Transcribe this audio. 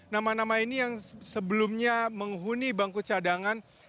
nama nama ini yang sebelumnya menghuni bangku cadangan